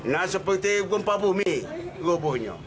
nah seperti rumpah bumi rubuhnya